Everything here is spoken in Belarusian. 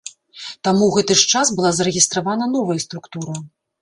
Таму ў гэты ж час была зарэгістравана новая структура.